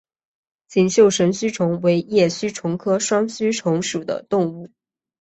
锦绣神须虫为叶须虫科双须虫属的动物。